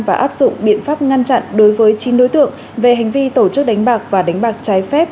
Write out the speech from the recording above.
và áp dụng biện pháp ngăn chặn đối với chín đối tượng về hành vi tổ chức đánh bạc và đánh bạc trái phép